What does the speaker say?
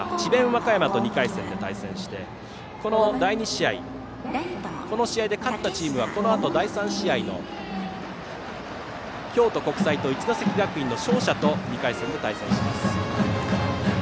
和歌山と２回戦で対戦してこの第２試合この試合で勝ったチームはこのあと第３試合の京都国際と一関学院の勝者と２回戦、対戦します。